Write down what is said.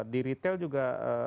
di retail juga